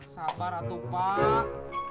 sabar atut pak